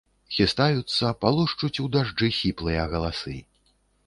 Хістаюцца, палошчуць у дажджы сіплыя галасы.